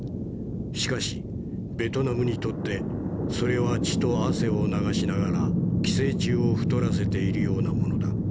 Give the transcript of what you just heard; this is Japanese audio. しかしベトナムにとってそれは血と汗を流しながら寄生虫を太らせているようなものだ。